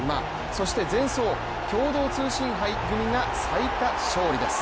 そして、前走・共同通信杯組が最多勝利です。